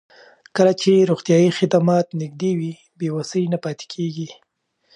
کله چې روغتیايي خدمات نږدې وي، بې وسۍ نه پاتې کېږي.